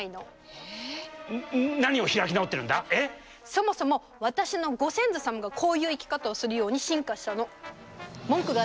そもそも私のご先祖様がこういう生き方をするように進化したの。